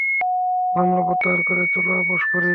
মামলা প্রত্যাহার করে চলো আপস করি।